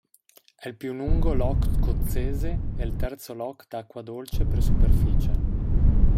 È il più lungo loch scozzese e il terzo loch d'acqua dolce per superficie.